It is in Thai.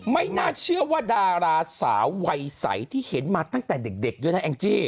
ไม่น่าเชื่อว่าดาราสาววัยใสที่เห็นมาตั้งแต่เด็กด้วยนะแองจี้